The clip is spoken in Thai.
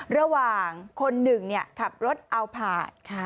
ระหว่างคนหนึ่งขับรถเอาผ่าน